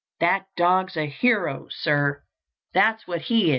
That dog's a hero, sir, that's what he is!"